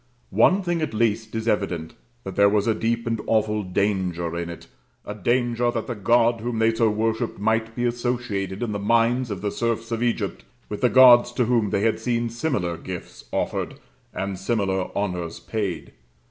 One thing at least is evident: there was a deep and awful danger in it; a danger that the God whom they so worshipped, might be associated in the minds of the serfs of Egypt with the gods to whom they had seen similar gifts offered and similar honors paid.